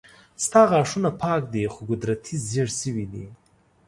ستا غاښونه پاک دي خو قدرتي زيړ شوي دي